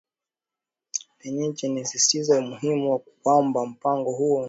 Pechenè alisisitiza umuhimu wa kwamba mpango huo unaweza kuwa